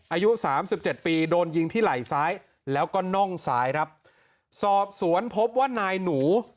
อายุสามสิบเจ็ดปีโดนยิงที่ไหล่ซ้ายแล้วก็น่องซ้ายครับสอบสวนพบว่านายหนู